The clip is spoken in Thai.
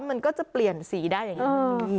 มันก็จะเปลี่ยนสีได้อย่างนี้